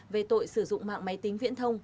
về tội sử dụng mạng máy tính viễn thông